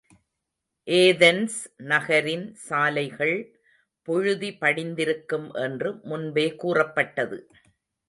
Athens நகரின் சாலைகள் புழுதி படிந்திருக்கும் என்று முன்பே கூறப்பட்டது.